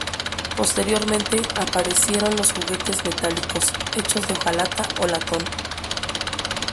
Posteriormente, aparecieron los juguetes metálicos, hechos de hojalata o latón.